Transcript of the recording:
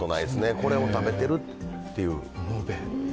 これを食べているっていう。